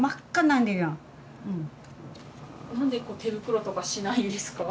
なんで手袋とかしないんですか？